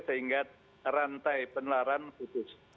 sehingga rantai penelaran utuh